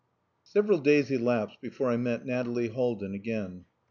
IV Several days elapsed before I met Nathalie Haldin again.